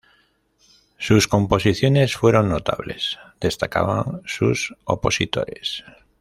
Sus composiciones fueron notables, destacaban sus opositores.